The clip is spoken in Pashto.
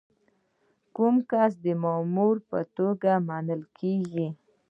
کوم کس د مامور په توګه منل کیږي؟